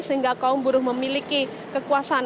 sehingga kaum buruh memiliki kekuasaan